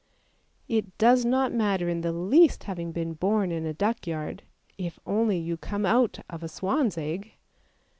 It does not matter in the least having been born in a duckyard, if only you come out of a swan's egg